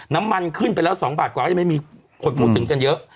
น้ำมันขึ้นไปแล้ว๒บาทกว่าก็จะไม่มีคนพูดถึงกันเยอะ